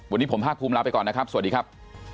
วันนี้ผมภาคภูมิลาไปก่อนนะครับสวัสดีครับ